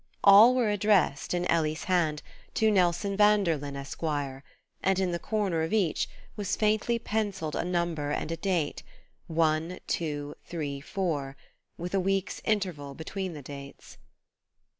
All were addressed, in Ellie's hand, to Nelson Vanderlyn Esqre; and in the corner of each was faintly pencilled a number and a date: one, two, three, four with a week's interval between the dates.